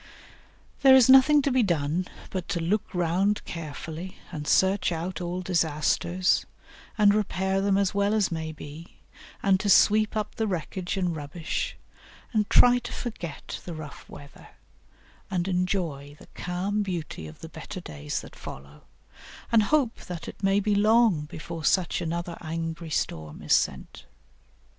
There is nothing to be done but to look round carefully and search out all disasters and repair them as well as may be, and to sweep up the wreckage and rubbish, and try to forget the rough weather, and enjoy the calm beauty of the better days that follow, and hope that it may be long before such another angry storm is sent.